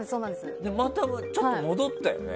またちょっと戻ったよね。